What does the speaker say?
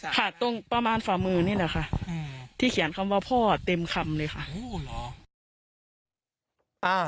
ค่ะตรงประมาณฝ่ามือนี่แหละค่ะที่เขียนคำว่าพ่อเต็มคำเลยค่ะ